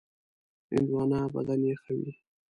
هندوانه بدن یخوي.